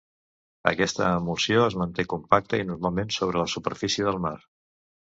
Aquesta emulsió es manté compacte i normalment sobre la superfície del mar.